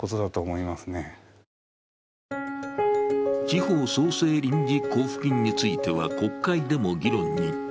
地方創生臨時交付金については、国会でも議論に。